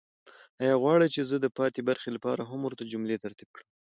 آیا غواړئ چې زه د پاتې برخې لپاره هم ورته جملې ترتیب کړم؟